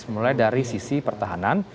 mulai dari sisi pertahanan